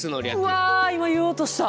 うわ今言おうとした。